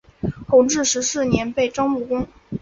弘治十四年被征入宫。